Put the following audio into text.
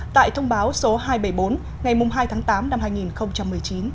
tại thông báo số hai trăm bảy mươi bốn ngày hai tháng tám năm hai nghìn một mươi chín